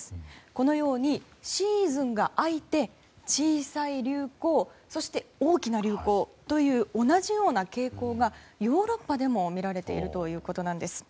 このように、シーズンが空いて小さい流行そして、大きな流行という同じような傾向がヨーロッパでも見られているということなんです。